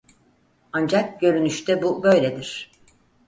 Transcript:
Ancak görünüşte bu böyledir.